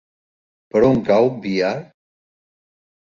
Per on cau Biar?